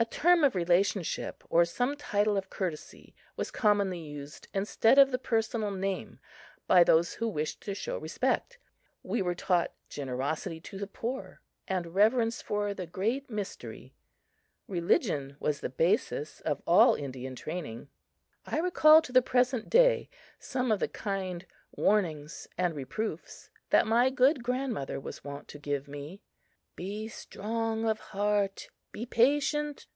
A term of relationship or some title of courtesy was commonly used instead of the personal name by those who wished to show respect. We were taught generosity to the poor and reverence for the "Great Mystery." Religion was the basis of all Indian training. I recall to the present day some of the kind warnings and reproofs that my good grandmother was wont to give me. "Be strong of heart be patient!"